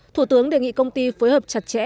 thủ tướng đề nghị công ty phối hợp chặt chẽ